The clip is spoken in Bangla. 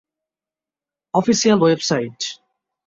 official website